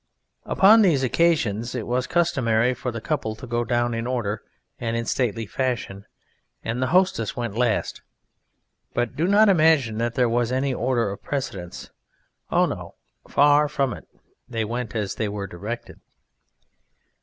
Upon these occasions it was customary for the couples to go down in order and in stately fashion, and the hostess went last; but do not imagine that there was any order of precedence. Oh, no! Far from it, they went as they were directed.